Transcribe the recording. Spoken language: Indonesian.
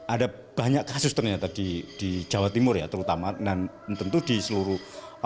ada banyak kasus ternyata di jawa timur ya terutama dan tentu di seluruh